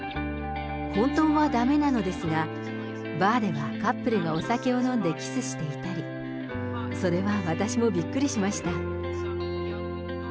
本当はだめなのですが、バーではカップルがお酒を飲んでキスしていたり、それは私もびっくりしました。